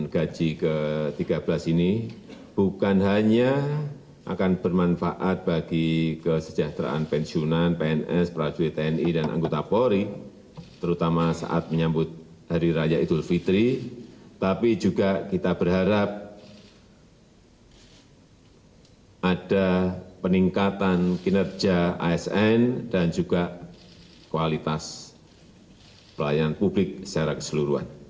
kita berharap ada peningkatan kinerja asn dan juga kualitas pelayanan publik secara keseluruhan